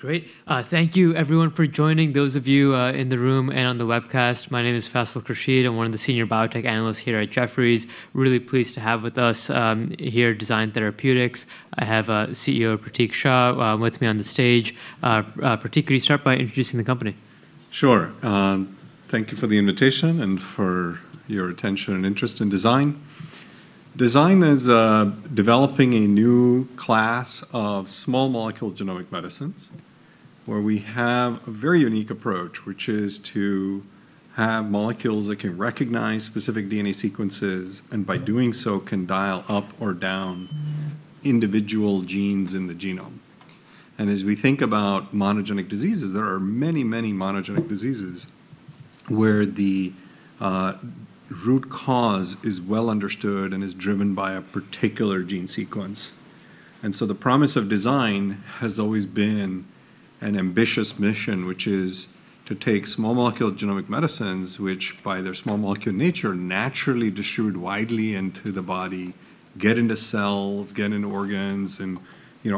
Great. Thank you everyone for joining, those of you in the room and on the webcast. My name is Faisal Krishnan and one of the senior biotech analysts here at Jefferies. Really pleased to have with us here Design Therapeutics. I have CEO Pratik Shah with me on the stage. Pratik, could you start by introducing the company? Sure. Thank you for the invitation and for your attention and interest in Design. Design is developing a new class of small molecule genomic medicines where we have a very unique approach, which is to have molecules that can recognize specific DNA sequences, and by doing so, can dial up or down individual genes in the genome. As we think about monogenic diseases, there are many monogenic diseases where the root cause is well understood and is driven by a particular gene sequence. The promise of Design has always been an ambitious mission, which is to take small molecule genomic medicines, which by their small molecule nature, naturally distribute widely into the body, get into cells, get into organs, and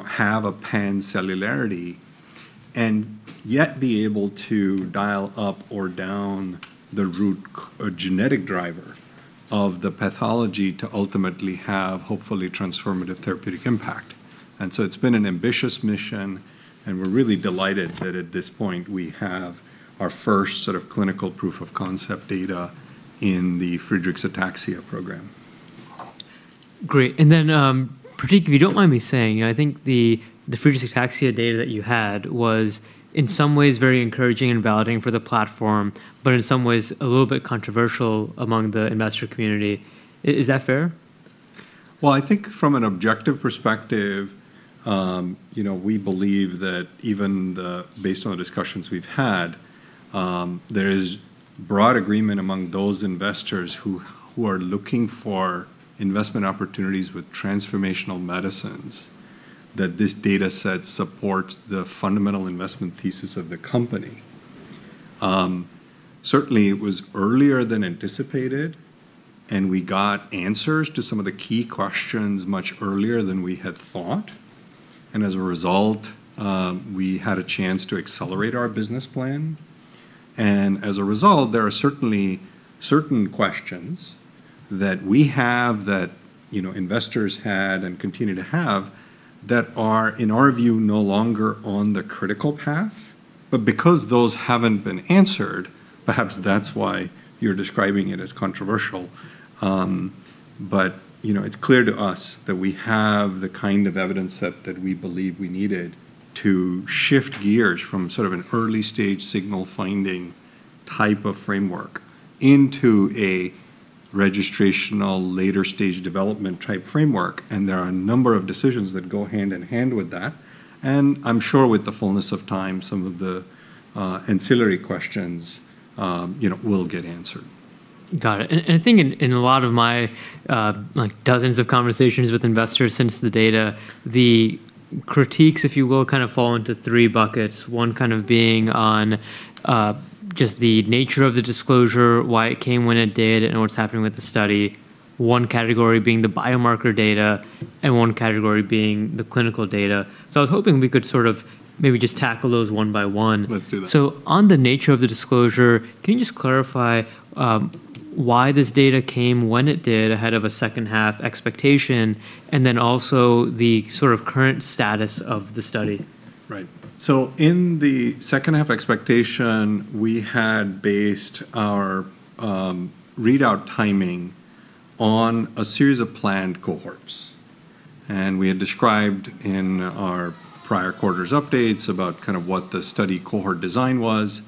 have a pancellularity, and yet be able to dial up or down the root genetic driver of the pathology to ultimately have hopefully transformative therapeutic impact. It's been an ambitious mission, and we're really delighted that at this point we have our first sort of clinical proof of concept data in the Friedreich's ataxia program. Great. Pratik, if you don't mind me saying, I think the Friedreich's ataxia data that you had was in some ways very encouraging and validating for the platform, but in some ways a little bit controversial among the investor community. Is that fair? Well, I think from an objective perspective, we believe that even based on the discussions we've had, there is broad agreement among those investors who are looking for investment opportunities with transformational medicines that this data set supports the fundamental investment thesis of the company. Certainly, it was earlier than anticipated, and we got answers to some of the key questions much earlier than we had thought. As a result, we had a chance to accelerate our business plan. As a result, there are certainly certain questions that we have that investors had and continue to have that are, in our view, no longer on the critical path. Because those haven't been answered, perhaps that's why you're describing it as controversial. It's clear to us that we have the kind of evidence set that we believe we needed to shift gears from sort of an early-stage signal-finding type of framework into a registrational later-stage development type framework. There are a number of decisions that go hand in hand with that. I'm sure with the fullness of time, some of the ancillary questions will get answered. Got it. I think in a lot of my dozens of conversations with investors since the data, the critiques, if you will, kind of fall into three buckets. One kind of being on just the nature of the disclosure, why it came when it did, and what's happening with the study, one category being the biomarker data, and one category being the clinical data. I was hoping we could sort of maybe just tackle those one by one. Let's do that. On the nature of the disclosure, can you just clarify why this data came when it did ahead of a second-half expectation, and then also the sort of current status of the study? Right. In the second half expectation, we had based our readout timing on a series of planned cohorts. We had described in our prior quarters updates about kind of what the study cohort design was,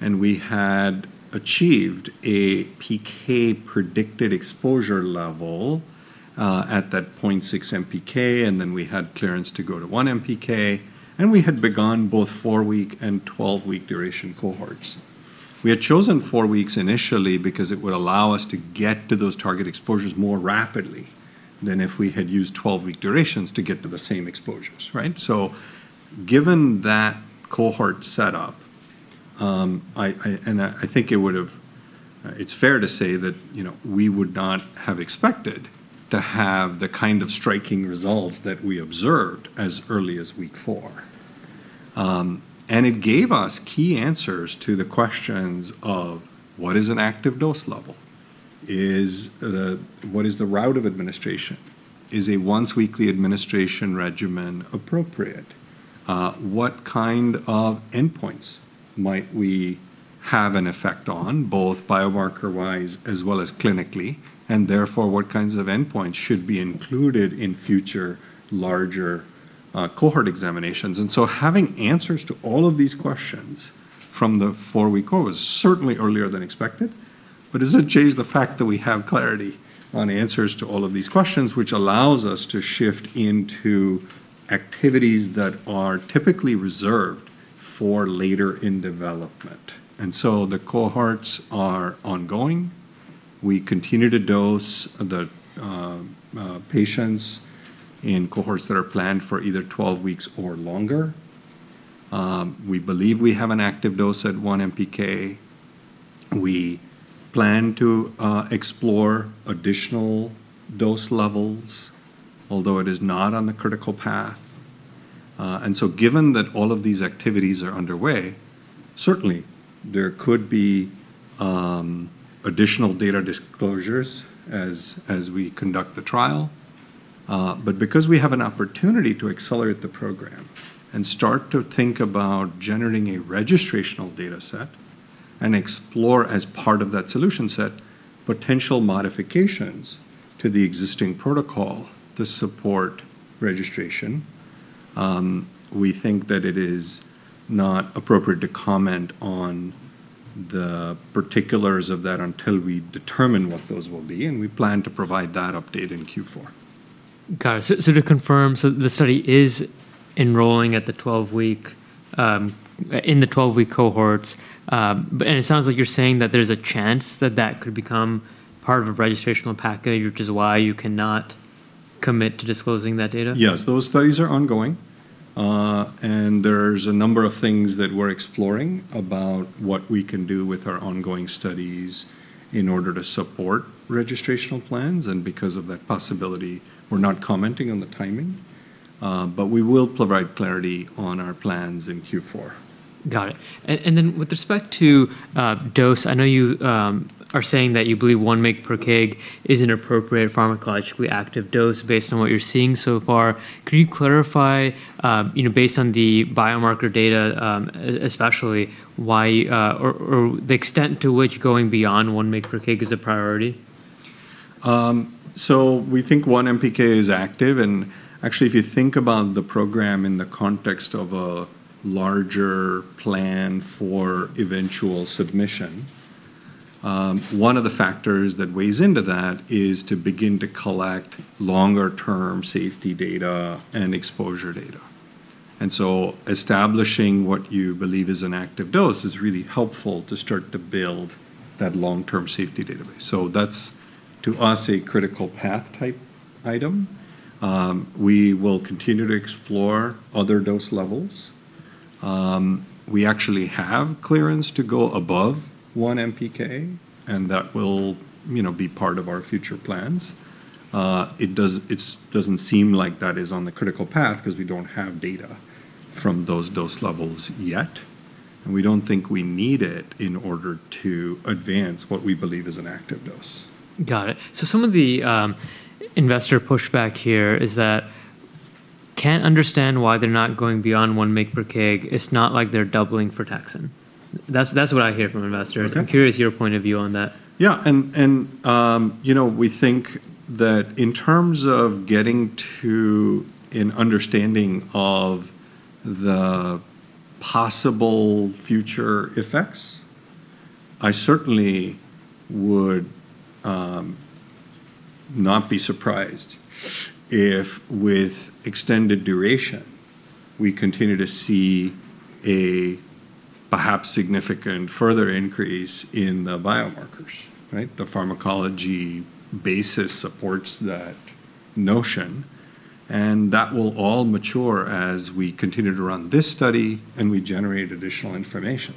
and we had achieved a PK predicted exposure level at that 0.6 MPK, and then we had clearance to go to 1 MPK, and we had begun both four-week and 12-week duration cohorts. We had chosen four weeks initially because it would allow us to get to those target exposures more rapidly than if we had used 12-week durations to get to the same exposures. Right? Given that cohort setup, I think it's fair to say that we would not have expected to have the kind of striking results that we observed as early as week 4. It gave us key answers to the questions of what is an active dose level? What is the route of administration? Is a once-weekly administration regimen appropriate? What kind of endpoints might we have an effect on, both biomarker-wise as well as clinically, and therefore, what kinds of endpoints should be included in future larger cohort examinations? Having answers to all of these questions from the four-week cohort was certainly earlier than expected. Does it change the fact that we have clarity on answers to all of these questions, which allows us to shift into activities that are typically reserved for later in development. The cohorts are ongoing. We continue to dose the patients in cohorts that are planned for either 12 weeks or longer. We believe we have an active dose at 1 MPK. We plan to explore additional dose levels, although it is not on the critical path. Given that all of these activities are underway, certainly there could be additional data disclosures as we conduct the trial. Because we have an opportunity to accelerate the program and start to think about generating a registrational data set and explore, as part of that solution set, potential modifications to the existing protocol to support registration, we think that it is not appropriate to comment on the particulars of that until we determine what those will be, and we plan to provide that update in Q4. Got it. To confirm, the study is enrolling in the 12-week cohorts, and it sounds like you're saying that there's a chance that that could become part of a registrational package, which is why you cannot commit to disclosing that data? Yes, those studies are ongoing. There's a number of things that we're exploring about what we can do with our ongoing studies in order to support registrational plans. Because of that possibility, we're not commenting on the timing, but we will provide clarity on our plans in Q4. Got it. With respect to dose, I know you are saying that you believe one mg per kg is an appropriate pharmacologically active dose based on what you're seeing so far. Could you clarify, based on the biomarker data, especially, the extent to which going beyond one mg per kg is a priority? We think 1 MPK is active, and actually if you think about the program in the context of a larger plan for eventual submission, one of the factors that weighs into that is to begin to collect longer-term safety data and exposure data. Establishing what you believe is an active dose is really helpful to start to build that long-term safety database. That's, to us, a critical path type item. We will continue to explore other dose levels. We actually have clearance to go above 1 MPK, and that will be part of our future plans. It doesn't seem like that is on the critical path because we don't have data from those dose levels yet, and we don't think we need it in order to advance what we believe is an active dose. Got it. Some of the investor pushback here is that can't understand why they're not going beyond 1 mg per kg. It's not like they're doubling frataxin. That's what I hear from investors. Okay. I'm curious your point of view on that. Yeah. We think that in terms of getting to an understanding of the possible future effects, I certainly would not be surprised if with extended duration we continue to see a perhaps significant further increase in the biomarkers. Right? The pharmacology basis supports that notion, and that will all mature as we continue to run this study and we generate additional information.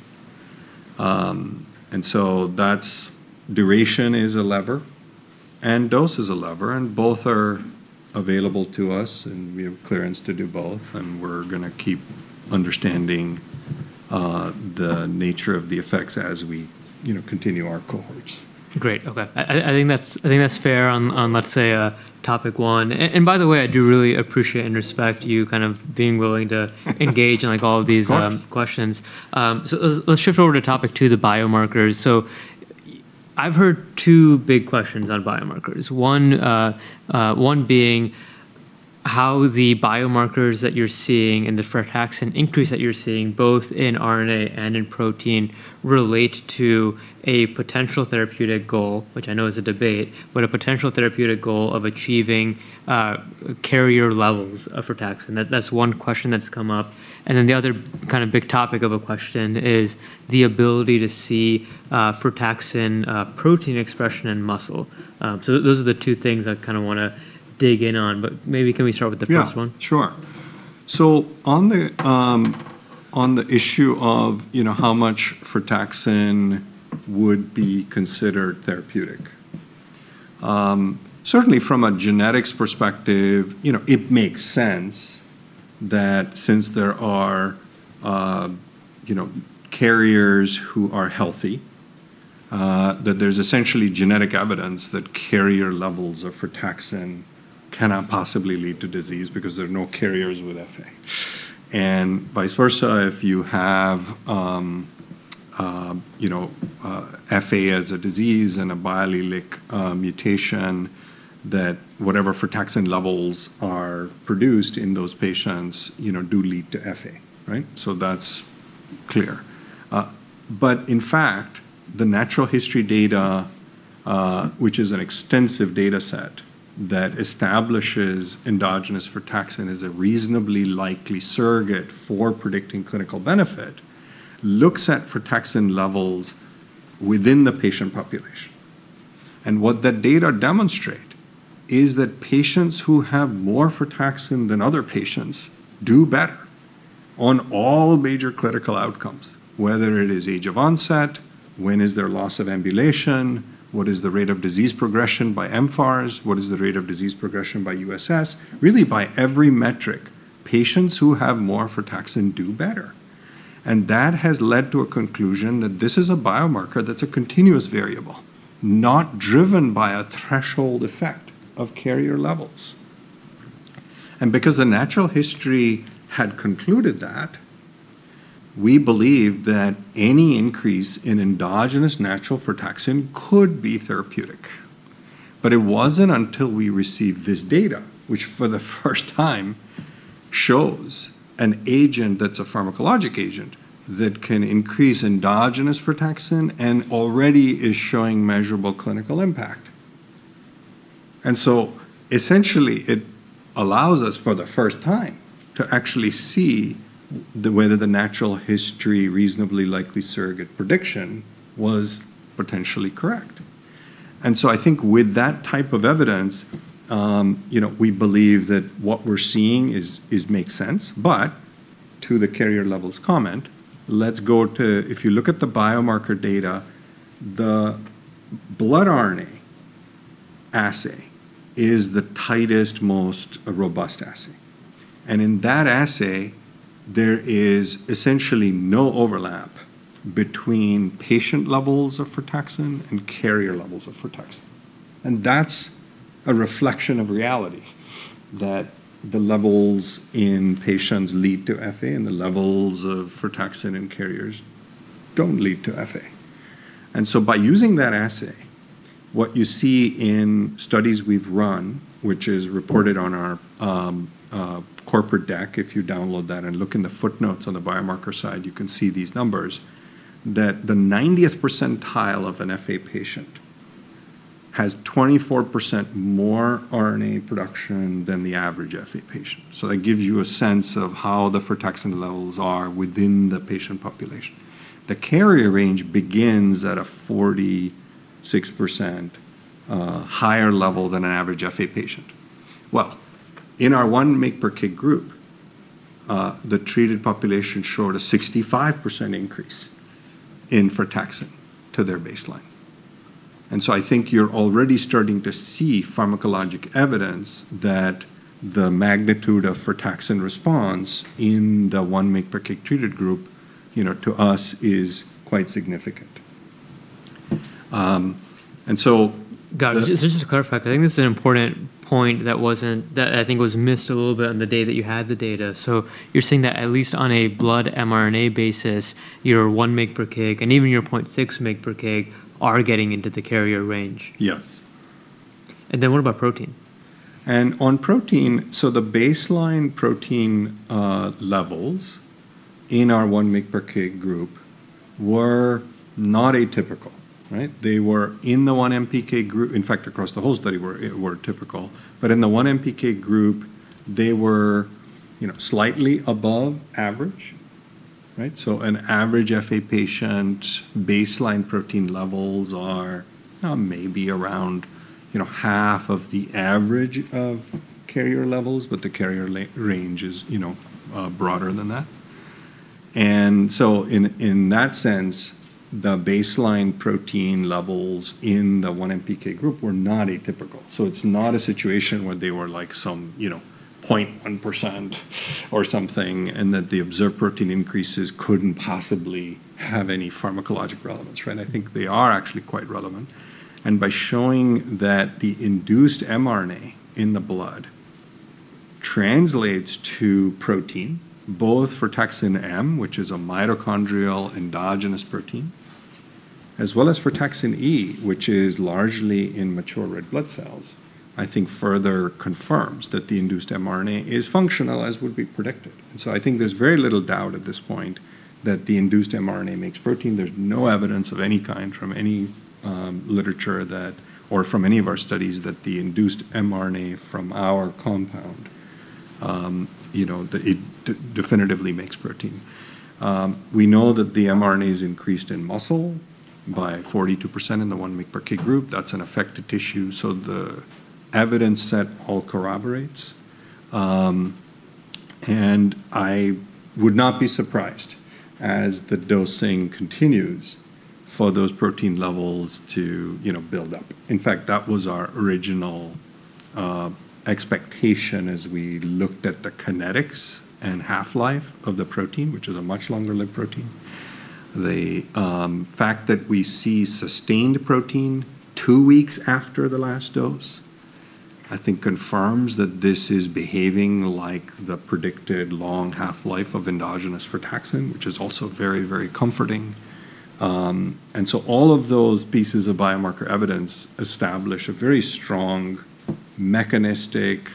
Duration is a lever and dose is a lever, and both are available to us, and we have clearance to do both, and we're going to keep understanding the nature of the effects as we continue our cohorts. Great. Okay. I think that's fair on, let's say, topic one. By the way, I do really appreciate and respect you kind of being willing to engage in all of these. Of course. questions. Let's shift over to topic two, the biomarkers. I've heard two big questions on biomarkers. One being how the biomarkers that you're seeing and the frataxin increase that you're seeing both in RNA and in protein relate to a potential therapeutic goal, which I know is a debate, but a potential therapeutic goal of achieving carrier levels of frataxin. That's one question that's come up. The other big topic of a question is the ability to see frataxin protein expression in muscle. Those are the two things I want to dig in on, but maybe can we start with the first one? Yeah. Sure. On the issue of how much frataxin would be considered therapeutic. Certainly from a genetics perspective, it makes sense that since there are carriers who are healthy, that there's essentially genetic evidence that carrier levels of frataxin cannot possibly lead to disease because there are no carriers with FA. Vice versa, if you have FA as a disease and a biallelic mutation, that whatever frataxin levels are produced in those patients do lead to FA, right? That's clear. In fact, the natural history data, which is an extensive data set that establishes endogenous frataxin as a reasonably likely surrogate for predicting clinical benefit, looks at frataxin levels within the patient population. What that data demonstrate is that patients who have more frataxin than other patients do better on all major clinical outcomes, whether it is age of onset, when is their loss of ambulation, what is the rate of disease progression by mFARS, what is the rate of disease progression by USS. Really, by every metric, patients who have more frataxin do better. That has led to a conclusion that this is a biomarker that's a continuous variable, not driven by a threshold effect of carrier levels. Because the natural history had concluded that, we believe that any increase in endogenous natural frataxin could be therapeutic. It wasn't until we received this data, which for the first time shows an agent that's a pharmacologic agent that can increase endogenous frataxin and already is showing measurable clinical impact. Essentially, it allows us for the first time to actually see whether the natural history reasonably likely surrogate prediction was potentially correct. I think with that type of evidence, we believe that what we're seeing makes sense. To the carrier levels comment, if you look at the biomarker data, the blood RNA assay is the tightest, most robust assay. In that assay, there is essentially no overlap between patient levels of frataxin and carrier levels of frataxin. That's a reflection of reality, that the levels in patients lead to FA, and the levels of frataxin in carriers don't lead to FA. By using that assay, what you see in studies we've run, which is reported on our corporate deck, if you download that and look in the footnotes on the biomarker side, you can see these numbers, that the 90th percentile of an FA patient has 24% more RNA production than the average FA patient. That gives you a sense of how the frataxin levels are within the patient population. The carrier range begins at a 46% higher level than an average FA patient. Well, in our 1 mg per kg group, the treated population showed a 65% increase in frataxin to their baseline. I think you're already starting to see pharmacologic evidence that the magnitude of frataxin response in the 1 mg per kg treated group, to us, is quite significant. Got it. Just to clarify, because I think this is an important point that I think was missed a little bit on the day that you had the data. You're saying that at least on a blood mRNA basis, your one mg per kg and even your 0.6 mg per kg are getting into the carrier range. Yes. What about protein? On protein, the baseline protein levels in our 1 mg per kg group were not atypical, right? They were in the 1 MPK group, in fact, across the whole study were typical. In the 1 MPK group, they were slightly above average, right? An average FA patient baseline protein levels are maybe around half of the average of carrier levels, but the carrier range is broader than that. In that sense, the baseline protein levels in the 1 MPK group were not atypical. It's not a situation where they were some 0.1% or something, and that the observed protein increases couldn't possibly have any pharmacologic relevance, right? I think they are actually quite relevant. By showing that the induced mRNA in the blood translates to protein, both frataxin-M, which is a mitochondrial endogenous protein, as well as frataxin-E, which is largely in mature red blood cells, I think further confirms that the induced mRNA is functional as would be predicted. I think there's very little doubt at this point that the induced mRNA makes protein. There's no evidence of any kind from any literature or from any of our studies that the induced mRNA from our compound definitively makes protein. We know that the mRNA is increased in muscle by 42% in the 1 mg per kg group. That's an affected tissue. The evidence set all corroborates. I would not be surprised, as the dosing continues, for those protein levels to build up. In fact, that was our original expectation as we looked at the kinetics and half-life of the protein, which is a much longer-lived protein. The fact that we see sustained protein two weeks after the last dose, I think confirms that this is behaving like the predicted long half-life of endogenous frataxin, which is also very comforting. All of those pieces of biomarker evidence establish a very strong mechanistic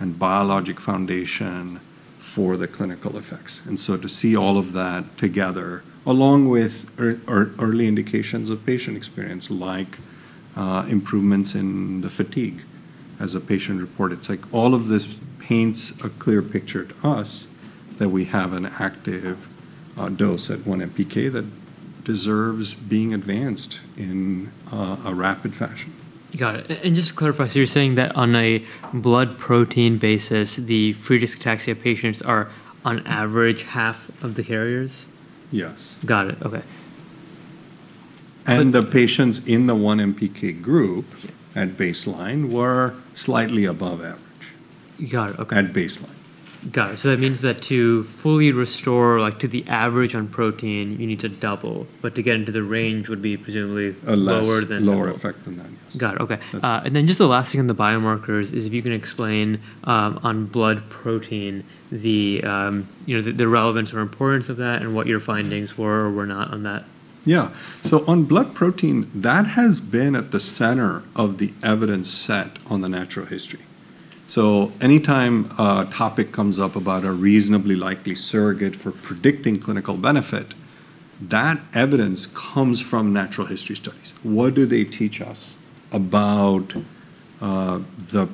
and biologic foundation for the clinical effects. To see all of that together, along with early indications of patient experience like improvements in the fatigue as a patient reported, all of this paints a clear picture to us that we have an active dose at one MPK that deserves being advanced in a rapid fashion. Got it. Just to clarify, you're saying that on a blood protein basis, the Friedreich ataxia patients are on average 1/2 of the carriers? Yes. Got it. Okay. The patients in the 1 MPK group at baseline were slightly above average. Got it. Okay. At baseline. Got it. That means that to fully restore to the average on protein, you need to double. To get into the range would be presumably lower than normal. A less lower effect than that, yes. Got it. Okay. Just the last thing on the biomarkers is if you can explain, on blood protein, the relevance or importance of that and what your findings were or were not on that. Yeah. On blood protein, that has been at the center of the evidence set on the natural history. Anytime a topic comes up about a reasonably likely surrogate for predicting clinical benefit, that evidence comes from natural history studies. What do they teach us about the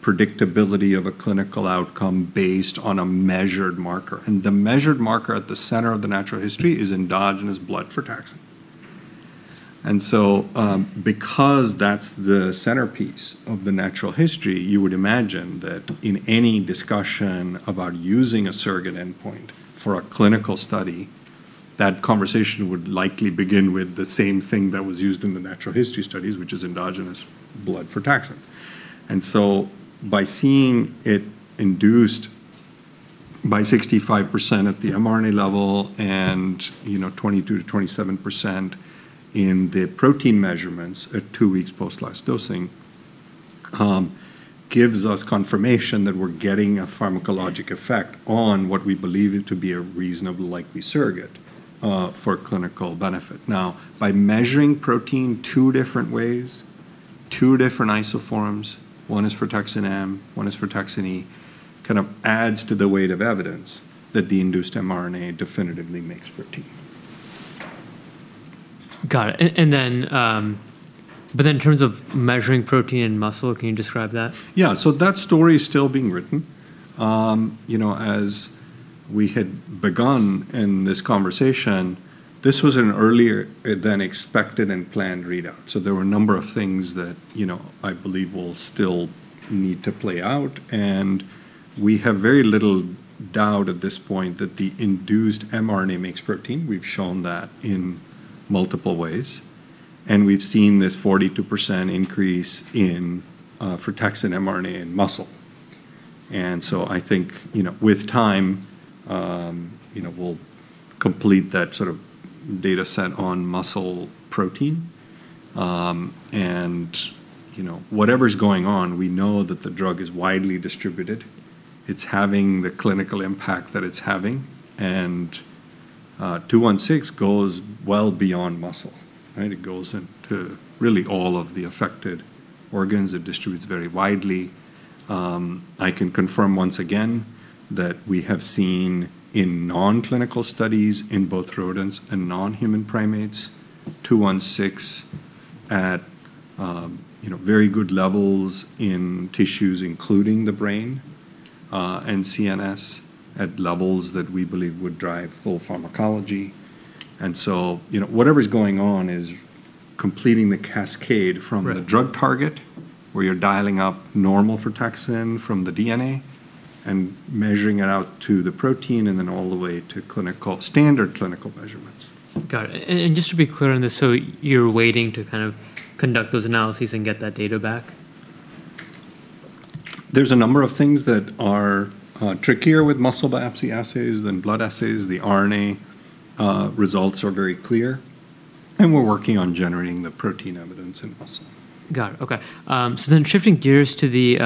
predictability of a clinical outcome based on a measured marker? The measured marker at the center of the natural history is endogenous blood frataxin. Because that's the centerpiece of the natural history, you would imagine that in any discussion about using a surrogate endpoint for a clinical study, that conversation would likely begin with the same thing that was used in the natural history studies, which is endogenous blood frataxin. By seeing it induced by 65% at the mRNA level and 22%-27% in the protein measurements at two weeks post last dosing, gives us confirmation that we're getting a pharmacologic effect on what we believe to be a reasonably likely surrogate for clinical benefit. By measuring protein two different ways, two different isoforms, one is frataxin-M, one is frataxin-E, kind of adds to the weight of evidence that the induced mRNA definitively makes protein. Got it. In terms of measuring protein in muscle, can you describe that? Yeah. That story's still being written. As we had begun in this conversation, this was an earlier than expected and planned readout. There were a number of things that I believe will still need to play out, and we have very little doubt at this point that the induced mRNA makes protein. We've shown that in multiple ways, and we've seen this 42% increase in frataxin mRNA in muscle. I think, with time, we'll complete that sort of data set on muscle protein. Whatever's going on, we know that the drug is widely distributed. It's having the clinical impact that it's having, and DT-216 goes well beyond muscle, right? It goes into really all of the affected organs. It distributes very widely. I can confirm once again that we have seen in non-clinical studies in both rodents and non-human primates, DT-216 at very good levels in tissues, including the brain, and CNS at levels that we believe would drive full pharmacology. Whatever's going on is completing the cascade from the drug target, where you're dialing up normal frataxin from the DNA and measuring it out to the protein, and then all the way to standard clinical measurements. Got it. Just to be clear on this, you're waiting to kind of conduct those analyses and get that data back? There's a number of things that are trickier with muscle biopsy assays than blood assays. The RNA results are very clear, and we're working on generating the protein evidence in muscle. Got it. Okay. Shifting gears to the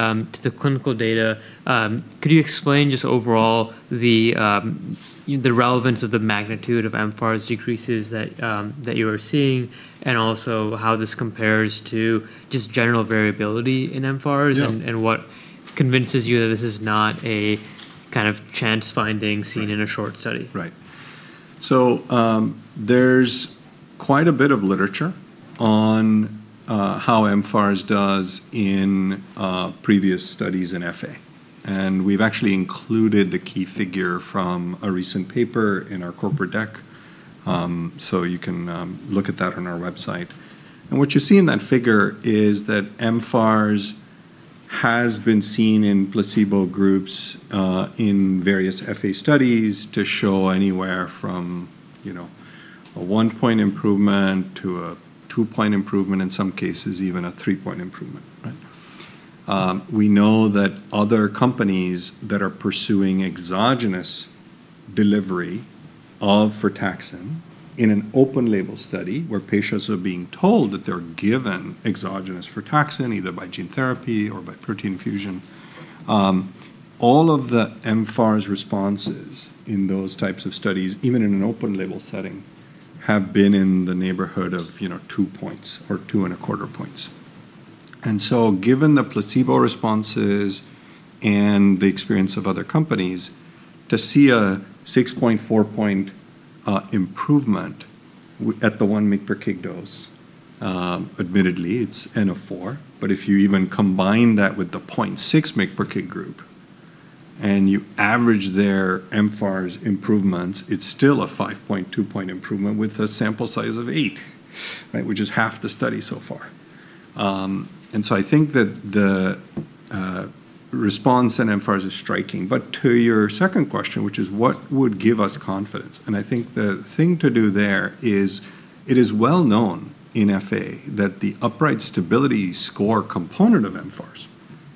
clinical data, could you explain just overall the relevance of the magnitude of mFARS decreases that you are seeing, and also how this compares to just general variability in mFARS? Yeah. What convinces you that this is not a kind of chance finding seen in a short study? Right. There's quite a bit of literature on how mFARS does in previous studies in FA, and we've actually included the key figure from a recent paper in our corporate deck. You can look at that on our website. What you see in that figure is that mFARS has been seen in placebo groups, in various FA studies to show anywhere from a one-point improvement to a two-point improvement, in some cases, even a three-point improvement, right? We know that other companies that are pursuing exogenous delivery of frataxin in an open-label study where patients are being told that they're given exogenous frataxin, either by gene therapy or by protein fusion. All of the mFARS responses in those types of studies, even in an open-label setting, have been in the neighborhood of two points or two and a quarter points. Given the placebo responses and the experience of other companies to see a 6.4 point improvement at the 1 mg per kg dose. Admittedly, it's N of four, but if you even combine that with the 0.6 mg per kg group and you average their mFARS improvements, it's still a 5.2 point improvement with a sample size of eight, which is half the study so far. I think that the response in mFARS is striking. To your second question, which is what would give us confidence? I think the thing to do there is, it is well known in FA that the upright stability score component of mFARS,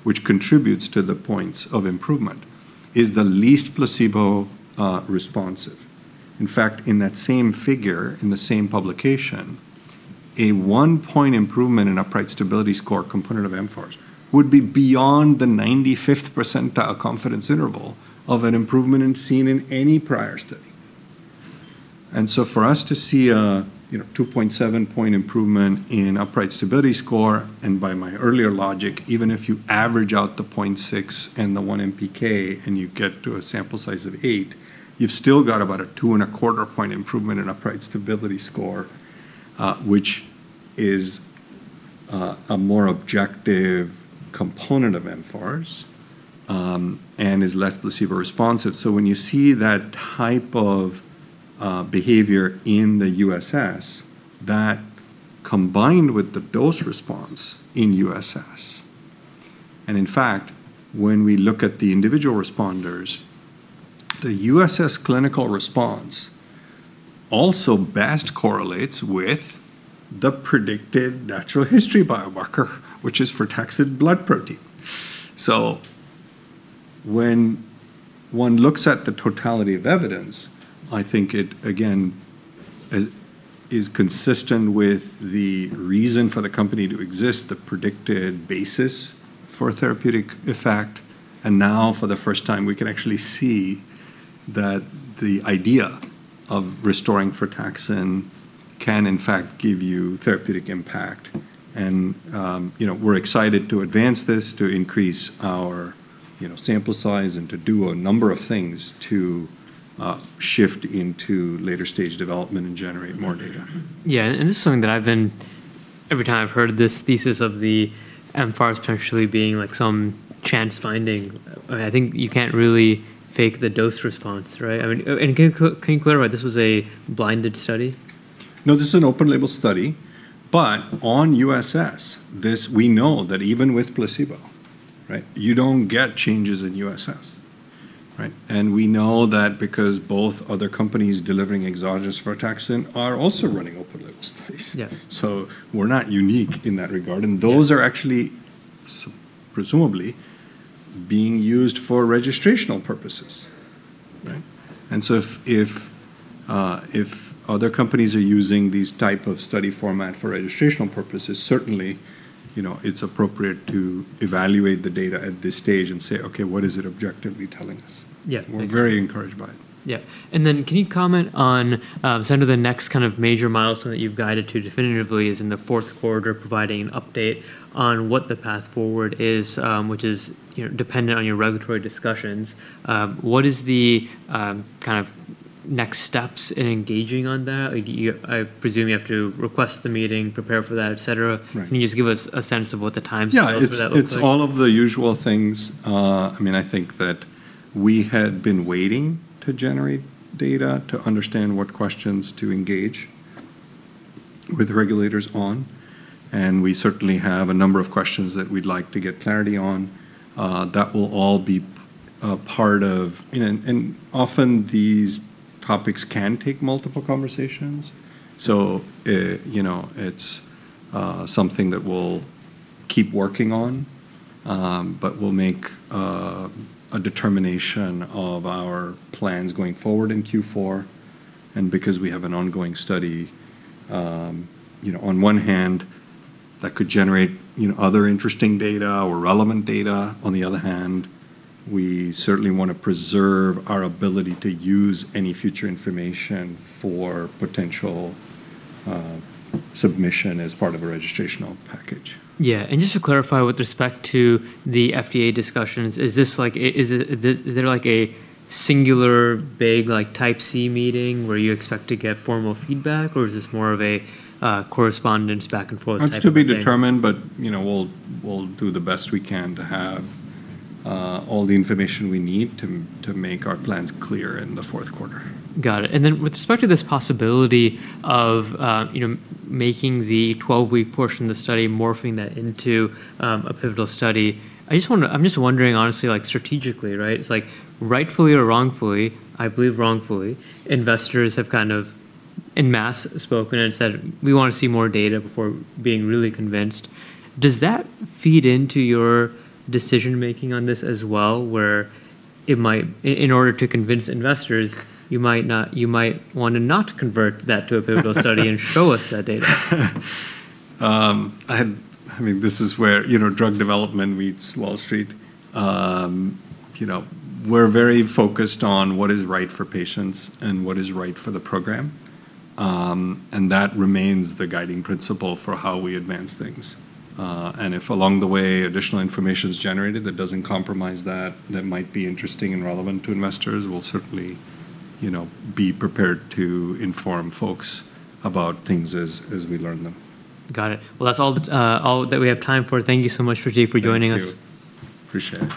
which contributes to the points of improvement, is the least placebo responsive. In fact, in that same figure, in the same publication, a one-point improvement in upright stability score component of mFARS would be beyond the 95th percentile confidence interval of an improvement seen in any prior study. For us to see a 2.7-point improvement in upright stability score, and by my earlier logic, even if you average out the 0.6 and the 1 MPK and you get to a sample size of eight, you've still got about a two and a quarter point improvement in upright stability score, which is a more objective component of mFARS, and is less placebo responsive. When you see that type of behavior in the USS, that combined with the dose response in USS, and in fact, when we look at the individual responders, the USS clinical response also best correlates with the predicted natural history biomarker, which is frataxin blood protein. When one looks at the totality of evidence, I think it, again, is consistent with the reason for the company to exist, the predicted basis for a therapeutic effect, and now for the first time, we can actually see that the idea of restoring frataxin can in fact give you therapeutic impact. We're excited to advance this, to increase our sample size, and to do a number of things to shift into later stage development and generate more data. Yeah. This is something that every time I've heard this thesis of the mFARS potentially being some chance finding, I think you can't really fake the dose response, right? Can you clarify, this was a blinded study? No, this is an open label study, but on USS, we know that even with placebo, you don't get changes in USS. We know that because both other companies delivering exogenous frataxin are also running open label studies. Yeah. We're not unique in that regard, and those are actually presumably being used for registrational purposes. If other companies are using these type of study format for registrational purposes, certainly it's appropriate to evaluate the data at this stage and say, "Okay, what is it objectively telling us? Yeah. Thanks. We're very encouraged by it. Yeah. Can you comment on, so under the next kind of major milestone that you've guided to definitively is in the fourth quarter, providing an update on what the path forward is, which is dependent on your regulatory discussions. What is the kind of next steps in engaging on that? I presume you have to request the meeting, prepare for that, et cetera. Right. Can you just give us a sense of what the time scale for that looks like? Yeah, it's all of the usual things. I think that we had been waiting to generate data to understand what questions to engage with regulators on, and we certainly have a number of questions that we'd like to get clarity on. That will all be a part of. Often these topics can take multiple conversations. It's something that we'll keep working on. We'll make a determination of our plans going forward in Q4. Because we have an ongoing study, on one hand that could generate other interesting data or relevant data. On the other hand, we certainly want to preserve our ability to use any future information for potential submission as part of a registrational package. Yeah. Just to clarify with respect to the FDA discussions, is there like a singular big Type C meeting where you expect to get formal feedback, or is this more of a correspondence back and forth type of thing? It's to be determined, but we'll do the best we can to have all the information we need to make our plans clear in the fourth quarter. Got it. With respect to this possibility of making the 12-week portion of the study, morphing that into a pivotal study, I'm just wondering honestly, strategically, right? It's like rightfully or wrongfully, I believe wrongfully, investors have kind of en masse spoken and said, "We want to see more data before being really convinced." Does that feed into your decision-making on this as well, where in order to convince investors, you might want to not convert that to a pivotal study and show us that data? This is where drug development meets Wall Street. We're very focused on what is right for patients and what is right for the program. That remains the guiding principle for how we advance things. If along the way additional information is generated that doesn't compromise that might be interesting and relevant to investors, we'll certainly be prepared to inform folks about things as we learn them. Got it. Well, that's all that we have time for. Thank you so much, Pratik, for joining us. Thank you. Appreciate it.